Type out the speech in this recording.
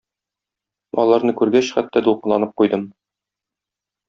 Аларны күргәч, хәтта дулкынланып куйдым.